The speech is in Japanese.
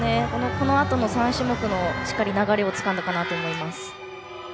このあとの３種目の流れをつかんだかなと思います。